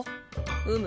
うむ。